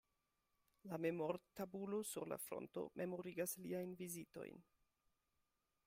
La memor-tabulo sur la fronto memorigas liajn vizitojn.